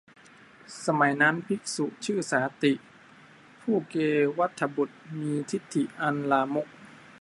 สมัยนั้น ภิกษุชื่อสาติ ผู้เกวัฏฏบุตร มีทิฏฐิอันลามก